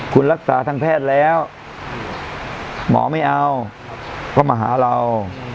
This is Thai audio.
คุณรักษาทางแพทย์แล้วหมอไม่เอาก็มาหาเรา